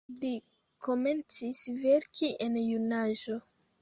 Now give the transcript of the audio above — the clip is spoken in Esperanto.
Li komencis verki en junaĝo.